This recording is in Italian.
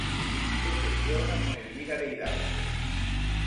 Si perfeziona con Elvira De Hidalgo.